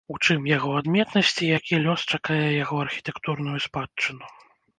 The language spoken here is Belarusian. У чым яго адметнасці і які лёс чакае яго архітэктурную спадчыну?